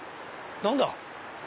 何だ？